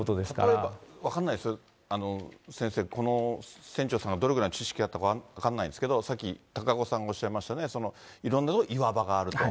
例えば分かんないですよ、先生、この船長さんがどれぐらいの知識があったか分からないんですけれども、さっき高岡さんがおっしゃいましたね、いろんな岩場があると。